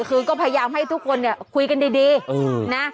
คือก็พยายามให้ทุกคนเนี่ยคุยกันดีนะ